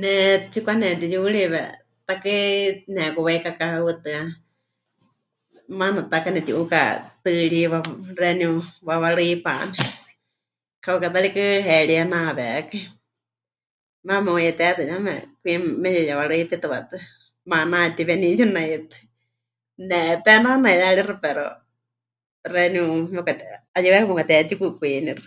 Ne tsipɨkanetiyuriwe, takai nehekuwaikaka hutɨa, maana ta kaneti'uka tɨɨrí wa... xeeníu wawarɨ́ipame, kauka ta rikɨ heríe nawekai, maana me'uyetetɨ yeme kwi meyuyewarɨ́ipitɨwatɨ, manatíweni yunaitɨ, ne... penaanaiyarixɨ pero xeeníu mepɨkate... 'ayɨweka mepɨkatehetikwikwinixɨ.